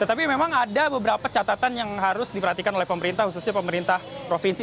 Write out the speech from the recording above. tetapi memang ada beberapa catatan yang harus diperhatikan oleh pemerintah khususnya pemerintah provinsi